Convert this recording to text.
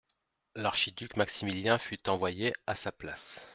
L'archiduc Maximilien fut envoyé à sa place.